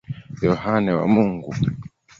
Yohane wa Mungu.